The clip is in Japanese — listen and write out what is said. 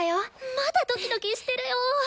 まだドキドキしてるよ！